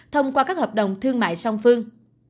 thông qua các hợp đồng thương mại song phương